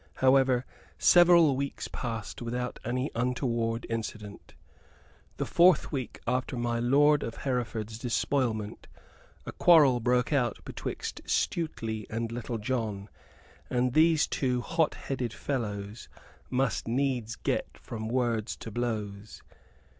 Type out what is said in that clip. However, several weeks passed without any untoward incident. The fourth week after my lord of Hereford's despoilment a quarrel broke out betwixt Stuteley and Little John; and these two hot headed fellows must needs get from words to blows.